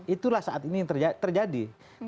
itulah saat ini yang terjadi